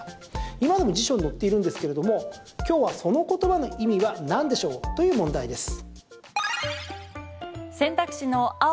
今でも辞書に載っているんですけれども今日は、その言葉の意味はなんでしょうという問題です。